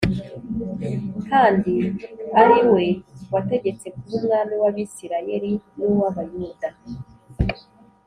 kandi ari we nategetse kuba umwami w’Abisirayeli n’uw’Abayuda.”